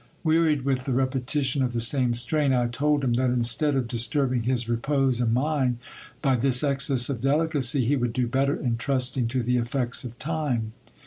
Wearied with the repetition of the same strain, I told him that instead of dis turbing his repose' and mine by this excess of delicacy, he would do better in trusting to the effects of time.